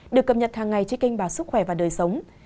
được cập nhật hàng ngày trên kênh báo sức khỏe và đời sống